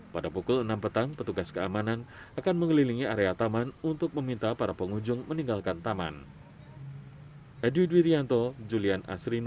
pada pukul enam petang petugas keamanan akan mengelilingi area taman untuk meminta para pengunjung meninggalkan taman